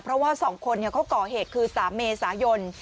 เพราะว่าสองคนเนี่ยเขาก่อเหตุคือสามเมษายน